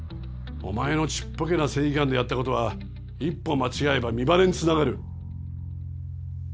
お前のちっぽけな正義感でやったことは一歩間違えば身バレにつながる。